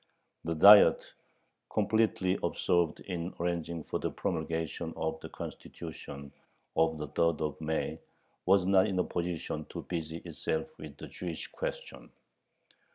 The Diet, completely absorbed in arranging for the promulgation of the Constitution of the third of May, was not in a position to busy itself with the Jewish question.